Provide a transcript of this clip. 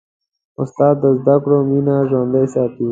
استاد د زدهکړو مینه ژوندۍ ساتي.